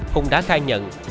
hùng đã khai nhận